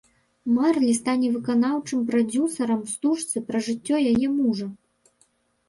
Марлі стане выканаўчым прадзюсарам стужцы пра жыццё яе мужа.